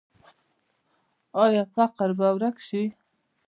آیا فقر به ورک شي؟